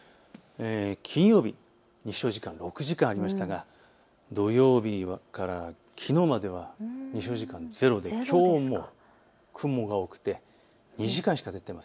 金曜日、日照時間６時間ありましたが土曜日からきのうまではゼロできょうは雲が多くて２時間しかないです。